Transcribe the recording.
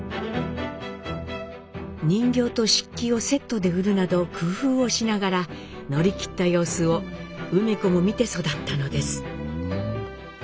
人形と漆器をセットで売るなど工夫をしながら乗り切った様子を梅子も見て育ったのです。